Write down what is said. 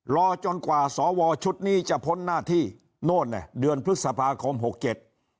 รอจนกว่าสวชุดนี้จะพ้นหน้าที่โน่นเนี่ยเดือนพฤษภาคมหกเจ็ด